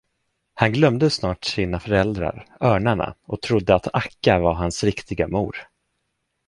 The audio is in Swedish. Han glömde snart sina föräldrar, örnarna, och trodde, att Akka var hans riktiga mor.